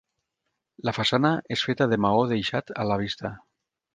La façana és feta de maó deixat a la vista.